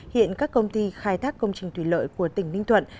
hiện các công ty khai thác công trình thủy lợi của tỉnh ninh thuận